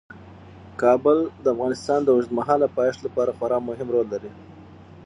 کابل د افغانستان د اوږدمهاله پایښت لپاره خورا مهم رول لري.